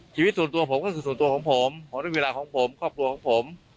ชีวิตส่วนตัวผมก็คือส่วนตัวของผมผมด้วยเวลาของผมครอบครัวของผม